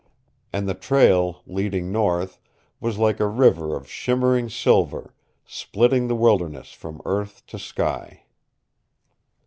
And the trail, leading north, was like a river of shimmering silver, splitting the wilderness from earth to sky.